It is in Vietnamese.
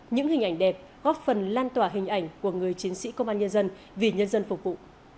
những hình ảnh đẹp góp phần lan tỏa hình ảnh của người chiến sĩ công an nhân dân vì nhân dân phục vụ